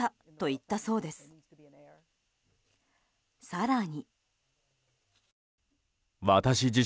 更に。